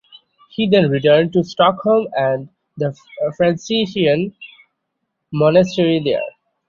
He then returned to Stockholm and the Franciscan monastery there.